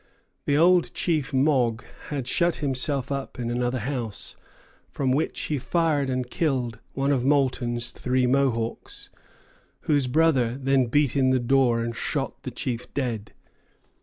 The old chief Mogg had shut himself up in another house, from which he fired and killed one of Moulton's three Mohawks, whose brother then beat in the door and shot the chief dead.